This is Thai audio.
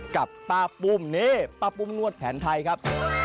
กับป้าปุ้มนี่ป้าปุ้มนวดแผนไทยครับ